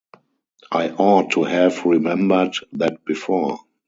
I ought to have remembered that before.